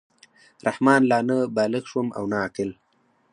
رحمان لا نه بالِغ شوم او نه عاقل.